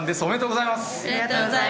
ありがとうございます。